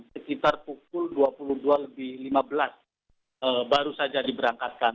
sekitar pukul dua puluh dua lebih lima belas baru saja diberangkatkan